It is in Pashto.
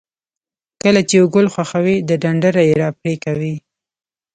کله چې یو ګل خوښوئ د ډنډره یې را پرې کوئ.